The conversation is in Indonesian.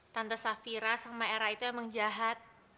tante safira sama era itu emang jahat